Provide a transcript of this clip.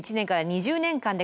２０年間で？